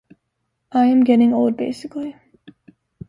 I am getting old basically.